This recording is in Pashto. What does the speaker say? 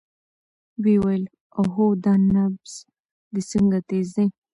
ويې ويل اوهو دا نبض دې څنګه تېز دى.